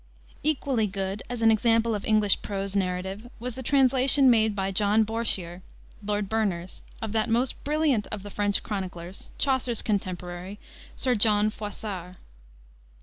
'" Equally good, as an example of English prose narrative, was the translation made by John Bourchier, Lord Berners, of that most brilliant of the French chroniclers, Chaucer's contemporary, Sir John Froissart.